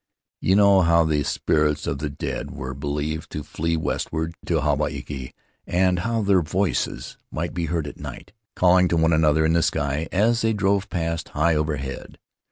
You know how the spirits of the dead were believed to flee westward, to Hawaiki, and how their voices might be heard at night, calling to one another in the sky, as they drove past, high overhead.